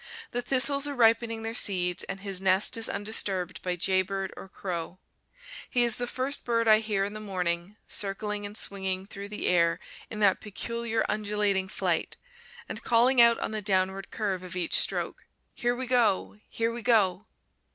The thistles are ripening their seeds, and his nest is undisturbed by jay bird or crow. He is the first bird I hear in the morning, circling and swinging through the air in that peculiar undulating flight, and calling out on the downward curve of each stroke, "Here we go, here we go!"